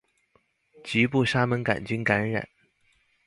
局部沙門桿菌感染